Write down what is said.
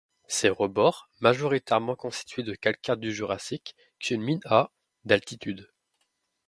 Ses rebords majoritairement constitués de calcaire du Jurassique culminent à d'altitude.